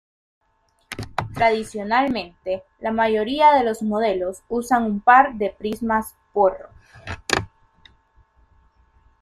Tradicionalmente, la mayoría de los modelos usan un par de prismas porro.